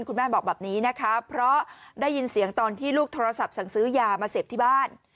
คุณแม่บอกแบบนี้นะคะเพราะได้ยินเสียงตอนที่ลูกโทรศัพท์สั่งซื้อยามาเสพที่บ้าน